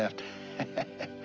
アハハハ。